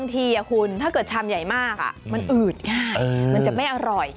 ถ้าเกิดชำใหญ่มากมันอืดง่ายมันจะไม่อร่อย